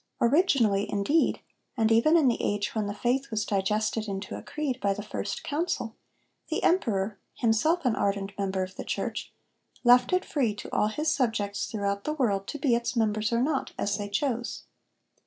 Originally, indeed, and even in the age when the faith was digested into a creed by the first Council, the emperor, himself an ardent member of the Church, left it free to all his subjects throughout the world to be its members or not as they chose.